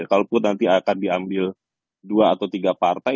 jadi kalaupun nanti akan diambil dua atau tiga partai